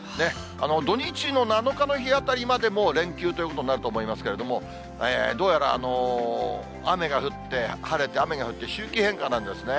土日の７日の日あたりまでもう連休ということになると思いますけれども、どうやら雨が降って、晴れて、雨が降って、周期変化なんですね。